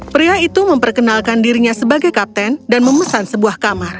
pria itu memperkenalkan dirinya sebagai kapten dan memesan sebuah kamar